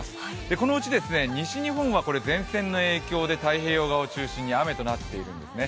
このうち西日本は前線の影響で太平洋側を中心に雨となっているんですね